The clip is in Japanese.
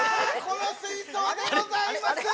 この水槽でございます！